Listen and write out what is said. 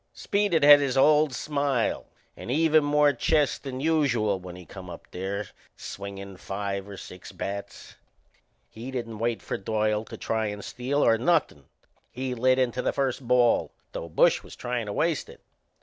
Speed had his old smile and even more chest than usual when he come up there, swingin' five or six bats. He didn't wait for Doyle to try and steal, or nothin'. He lit into the first ball, though Bush was tryin' to waste it.